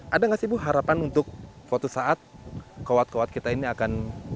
ada nggak sih bu harapan untuk suatu saat kawat kawat kita ini akan